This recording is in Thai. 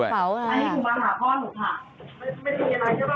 อันนี้หมายถึงมาหาพ่อหนูค่ะ